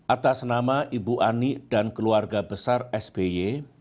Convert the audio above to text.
atas nama ibu ani dan keluarga besar sby